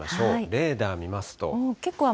レーダー見ますと。